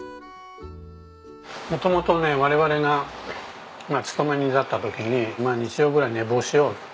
元々ね我々が勤め人だった時にまあ日曜ぐらい寝坊しよう。